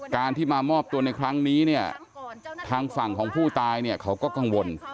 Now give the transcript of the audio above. การที่มามอบตัวในครั้งนี้เนี่ยทางฝั่งของผู้ตายเนี่ยเขาก็กังวล